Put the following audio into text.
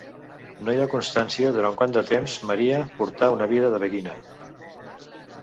No hi ha constància durant quant de temps Maria portà una vida de beguina.